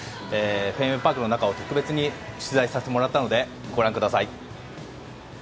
フェンウェイ・パークの中を特別に取材させてもらったのでご覧ください。